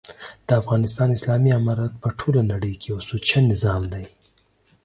دافغانستان اسلامي امارت په ټوله نړۍ کي یو سوچه نظام دی